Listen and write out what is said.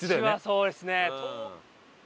そうですね。